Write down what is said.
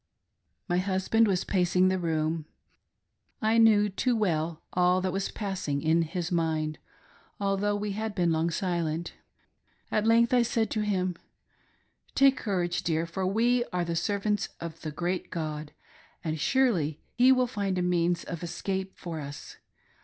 > My husband was pacing the room ; I knew too well all that was passing in his mind, although we had long been silent. At length I said to him :" Take courage, dear, for we are the servants of the great God, and surely He will find a means of escape for us.